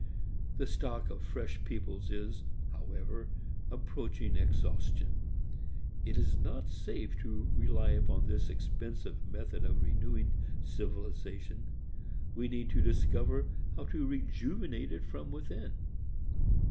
The stock of fresh peoples is, however, approaching exhaustion. It is not safe to rely upon this expensive method of renewing civilization. We need to discover how to rejuvenate it from within.